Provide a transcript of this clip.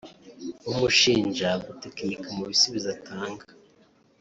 bamushinja gutekinika mu bisubizo atanga